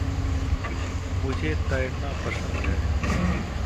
मुझे तैरना पसंद है।